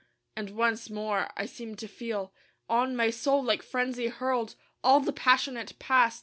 And once more I seem to feel On my soul, like frenzy, hurled All the passionate past.